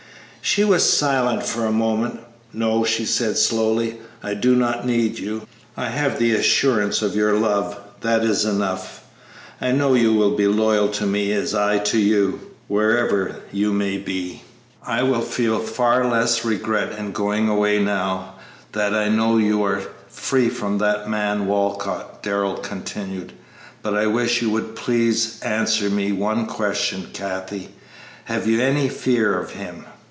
She was silent for a moment. "No," she said, slowly, "I do not need you; I have the assurance of your love; that is enough. I know you will be loyal to me as I to you, wherever you may be." "I will feel far less regret in going away now that I know you are free from that man Walcott," Darrell continued; "but I wish you would please answer me one question, Kathie: have you any fear of him?"